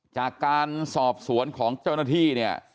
จากการสอบสวนของเจ้าหน้าที่เนี่ย